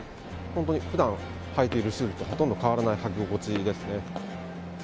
本当に普段履いているシューズとほとんど変わらない履き心地ですね。